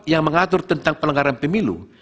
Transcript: yang mengatur tentang pelanggaran pemilu